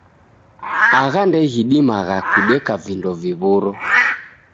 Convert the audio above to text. Agha ndeghidimagha kudeka vindo viw'uro!